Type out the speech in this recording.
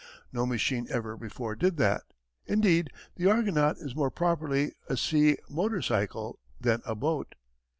No machine ever before did that. Indeed, the Argonaut is more properly a "sea motorcycle" than a "boat."